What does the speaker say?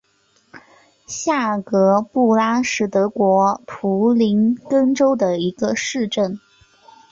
下格布拉是德国图林根州的一个市镇。